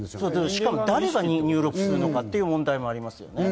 しかも誰が入力するのかという問題にもなりますよね。